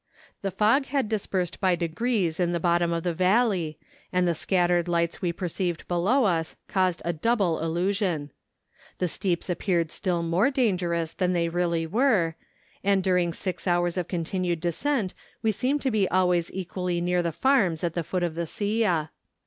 The fog had dispersed by degrees in the bottom of the valley, and the scattered lights we perceived below us caused a double illu¬ sion. The steeps appeared still more dangerous than they really were ; and during six hours of con¬ tinued descent we seemed to be always equally near the farms at the foot of the Silla.